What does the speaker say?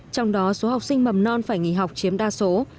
trong đó số học sinh mầm non phải nghỉ học chiếm đa số